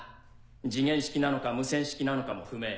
時限式なのか無線式なのかも不明。